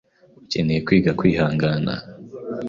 Ukeneye kwiga kwihangana.